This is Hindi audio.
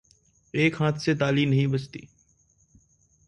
एक हाथ से ताली नहीं बजती।